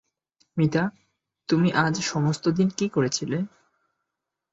মিতা, তুমি আজ সমস্ত দিন কী করছিলে।